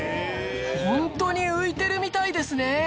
ホントに浮いてるみたいですね！